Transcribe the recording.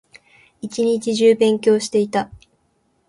一日中勉強していた